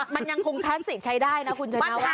มันยังคงทักสิตใช้ได้นะคุณจริงว่าไหม